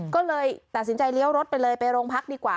ก็เลยตัดสินใจเลี้ยวรถไปเลยไปโรงพักดีกว่า